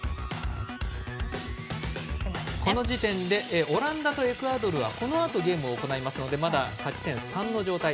この時点でオランダとエクアドルは、このあとゲームを行いますのでまだ勝ち点３の状態。